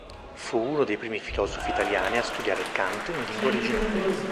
Fu uno dei primi filosofi italiani a studiare Kant in lingua originale.